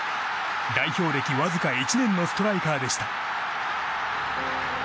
代表歴わずか１年のストライカーでした。